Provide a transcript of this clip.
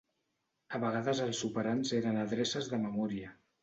A vegades els operands eren adreces de memòria.